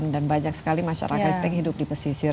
dan banyak sekali masyarakat yang hidup di pesisir